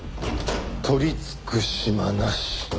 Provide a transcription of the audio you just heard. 取り付く島なし。